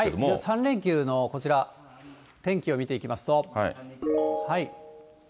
３連休のこちら、天気を見ていきますと。